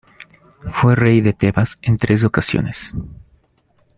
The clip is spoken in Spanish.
Fue rey de Tebas en tres ocasiones.